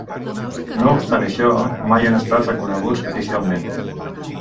No obstant això, mai han estat reconeguts oficialment.